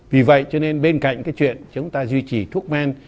vì vậy cho nên bên cạnh cái chuyện chúng ta duy trì thuốc men